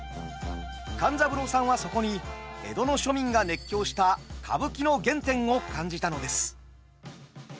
勘三郎さんはそこに江戸の庶民が熱狂した歌舞伎の原点を感じたのです。